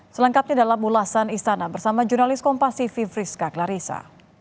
selengkapnya dalam ulasan istana bersama jurnalis kompas tv friska klarisa